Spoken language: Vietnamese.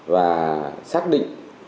và xác định